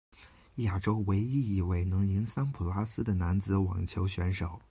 亚洲唯一一位能赢桑普拉斯的男子网球选手。